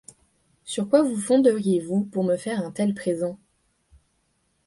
Sur quoi vous fonderiez-vous pour me faire un tel présent?